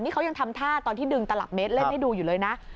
นี่เขายังทำท่าตอนที่ดึงตลับเมตรเล่นให้ดูอยู่เลยนะ